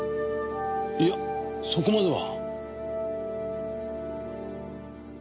いやそこまでは。